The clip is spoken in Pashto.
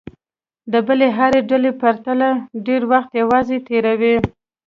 د بلې هرې ډلې پرتله ډېر وخت یوازې تېروي.